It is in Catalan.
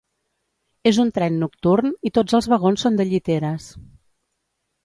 És un tren nocturn i tots els vagons són de lliteres.